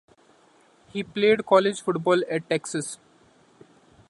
He played college football at Texas.